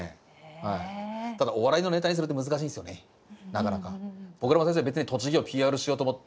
なかなか。